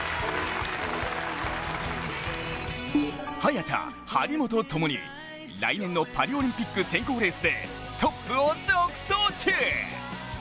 早田、張本ともに来年のパリオリンピック選考レースでトップを独走中。